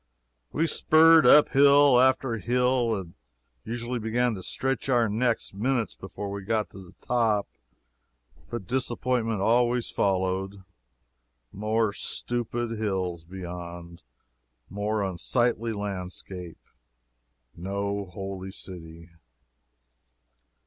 We spurred up hill after hill, and usually began to stretch our necks minutes before we got to the top but disappointment always followed: more stupid hills beyond more unsightly landscape no Holy City.